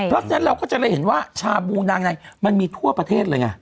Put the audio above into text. เพราะฉะนั้นเราก็จะได้เห็นว่าชาบูนางในมันมีทั่วประเทศเลยไง